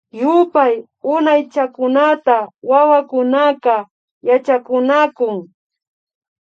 Yupay Unaychakunata wawakunaka yachakunakun